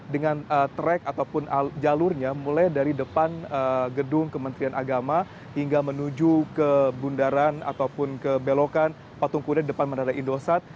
dengan track ataupun jalurnya mulai dari depan gedung kementerian agama hingga menuju ke bundaran ataupun ke belokan patung kuda depan menara indosat